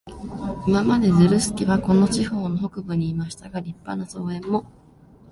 今まで、ズルスケはこの地方の北部にいましたが、立派な荘園も、